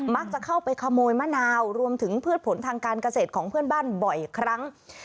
จะเข้าไปขโมยมะนาวรวมถึงพืชผลทางการเกษตรของเพื่อนบ้านบ่อยครั้ง